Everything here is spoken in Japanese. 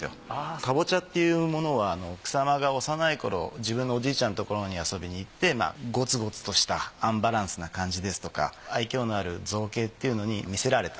かぼちゃっていうものは草間が幼いころ自分のおじいちゃんところに遊びに行ってゴツゴツとしたアンバランスな感じですとか愛嬌のある造形っていうのに魅せられた。